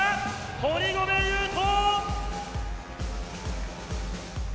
堀米雄斗！